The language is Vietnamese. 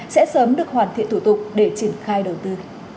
sẽ sớm được hoàn thiện thủ tục để triển khai đầu tư